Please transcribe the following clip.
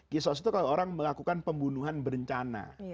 kisos itu kalau orang melakukan pembunuhan berencana